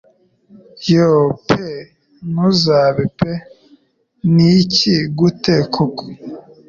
Yoo pe ntubaze pe "Niki gute koko"